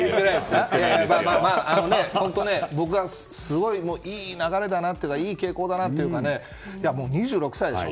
まあまあ僕はすごいいい流れだなというかいい傾向だなというのは２６歳でしょ？